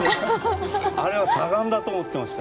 あれは砂岩だと思ってました。